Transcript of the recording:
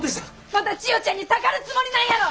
また千代ちゃんにたかるつもりなんやろ！